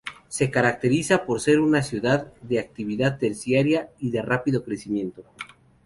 Se caracteriza por ser una ciudad de actividad terciaria y de rápido crecimiento.